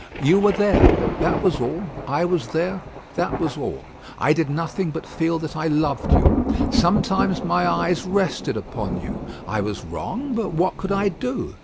You were there, that was all. I was there, that was all. I did nothing but feel that I loved you. Sometimes my eyes rested upon you. I was wrong, but what could I do.